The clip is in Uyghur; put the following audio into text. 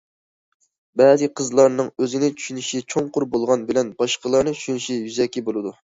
بەزى قىزلارنىڭ ئۆزىنى چۈشىنىشى چوڭقۇر بولغان بىلەن باشقىلارنى چۈشىنىشى يۈزەكى بولىدۇ.